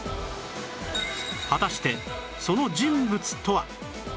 果たしてその人物とは？